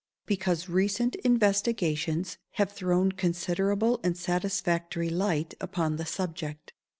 _ Because recent investigations have thrown considerable and satisfactory light upon the subject.